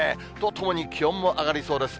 とともに気温も上がりそうです。